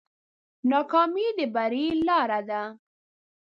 ناکامي د بری لاره ده.